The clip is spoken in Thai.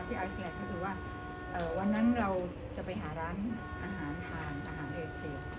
ที่นั้นก็คือว่าเอ่อวันนั้นเราจะไปหาร้านอาหารทานอาหารเอเจน